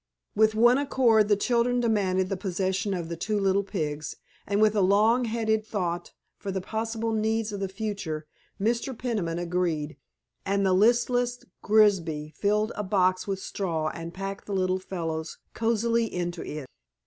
With one accord the children demanded the possession of the two little pigs, and with a long headed thought for the possible needs of the future Mr. Peniman agreed, and the listless Grigsby filled a box with straw and packed the little fellows cosily into it.